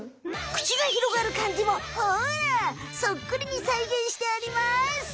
口がひろがるかんじもほらそっくりに再現してあります。